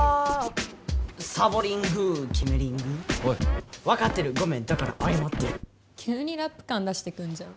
サボリング決めリング？おい！分かってるごめんだから謝ってる急にラップ感出してくんじゃん。